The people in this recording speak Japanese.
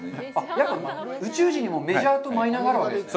やっぱり宇宙人にもメジャーとマイナーがあるわけですか。